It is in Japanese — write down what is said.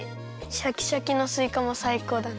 シャキシャキのすいかもさいこうだね。